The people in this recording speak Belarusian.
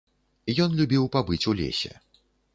Ён любіў пабыць у лесе.